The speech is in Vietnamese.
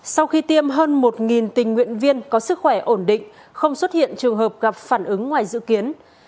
sau khi tiêm hơn một tình nguyện viên có sức khỏe ổn định không xuất hiện trường hợp gặp phản ứng ngoài dự kiến